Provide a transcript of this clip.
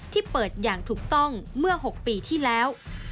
ที่เปิดอย่างถูกต้องเมื่อ๖ปีที่แล้ว